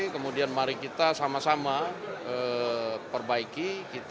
kemudian mari kita sama sama perbaiki